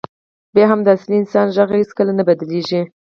بیا هم د اصلي انسان غږ هېڅکله نه بدلېږي.